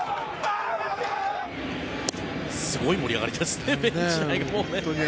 すごい盛り上がりですねベンチ内が。